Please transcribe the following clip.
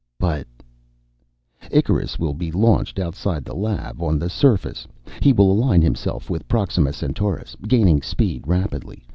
"But " "Icarus will be launched outside the lab, on the surface. He will align himself with Proxima Centaurus, gaining speed rapidly.